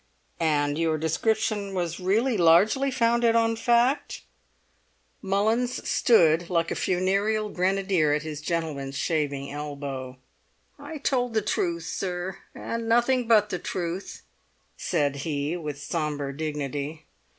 "And your description was really largely founded on fact?" Mullins stood like a funereal grenadier at his gentleman's shaving elbow. "I told the truth, sir, and nothing but the truth," said he, with sombre dignity.